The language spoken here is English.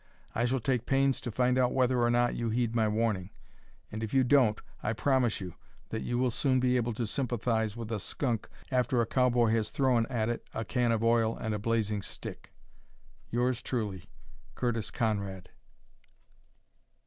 I shall take pains to find out whether or not you heed my warning, and if you don't I promise you that you will soon be able to sympathize with a skunk after a cowboy has thrown at it a can of oil and a blazing stick. "Yours truly, "CURTIS CONRAD."